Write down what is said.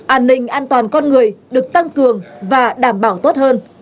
an ninh an toàn con người được tăng cường và đảm bảo tốt hơn